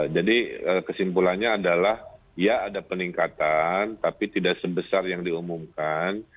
jadi kesimpulannya adalah ya ada peningkatan tapi tidak sebesar yang diumumkan